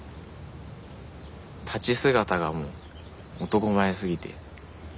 立ち姿がもう男前すぎて。